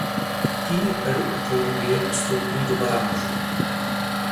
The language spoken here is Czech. Týmy "Peru" a "Kolumbie" postoupily do baráže.